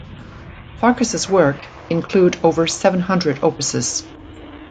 Farkas's works include over seven hundred opuses.